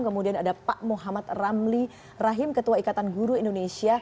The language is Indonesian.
kemudian ada pak muhammad ramli rahim ketua ikatan guru indonesia